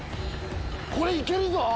これいけるぞ！